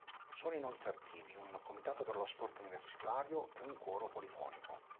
Sono inoltre attivi un comitato per lo sport universitario e un coro polifonico.